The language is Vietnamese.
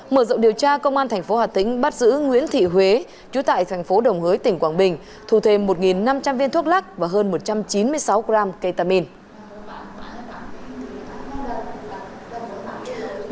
mở rộng điều tra công an thành phố hà tĩnh bắt giữ nguyễn thị huế chú tại thành phố đồng hới tỉnh quảng bình thu thêm một năm trăm linh viên thuốc lắc và hơn một trăm chín mươi sáu gram ketamine